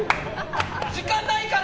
時間ないから！